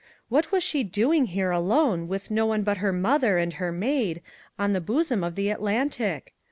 What was she doing here alone with no one but her mother and her maid, on the bosom of the Atlantic?